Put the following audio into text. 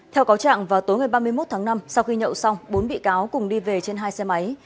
theo cáo trạng vào tối ngày ba mươi một tháng năm sau khi nhậu xong bốn bị cáo cùng đi về trên hai xe máy